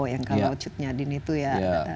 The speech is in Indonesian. yang kalau cud nyadin itu ya